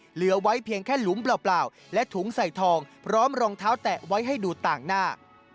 เหลือไว้เพียงแค่หลุมเปล่าและถุงใส่ทองพร้อมรองเท้าแตะไว้ให้ดูต่างหน้า